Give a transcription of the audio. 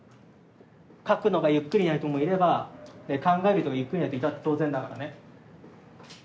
書くのがゆっくりな人もいれば考えるゆっくりな人いたって当然だからね。